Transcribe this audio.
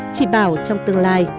chị bảo trong tương lai